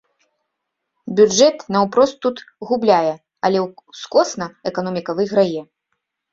Бюджэт наўпрост тут губляе, але ўскосна эканоміка выйграе.